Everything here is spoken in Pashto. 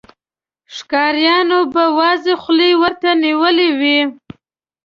ښکاريانو به وازې خولې ورته نيولې وې.